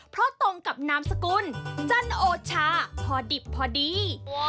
เพราะตรงกับนามสกุลจันโอชาพอดิบพอดี